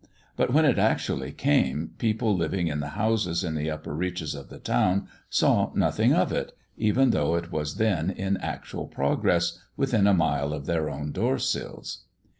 But when it actually came, people living in the houses in the upper reaches of the town saw nothing of it, even though it was then in actual progress within a mile of their own door sills.